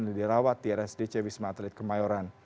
yang dirawat di rsdc wisma atlet kemayoran